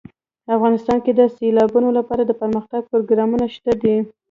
افغانستان کې د سیلابونو لپاره دپرمختیا پروګرامونه شته دي.